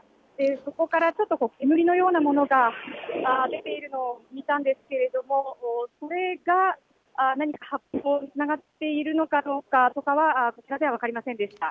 そこからちょっと煙のようなものが出ているのを見たんですけれどもそれが何か発砲につながっているのかどうか、そこは分かりませんでした。